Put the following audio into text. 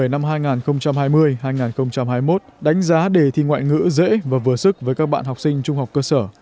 năm hai nghìn hai mươi hai nghìn hai mươi một đánh giá đề thi ngoại ngữ dễ và vừa sức với các bạn học sinh trung học cơ sở